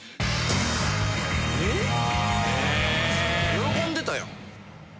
喜んでたやん。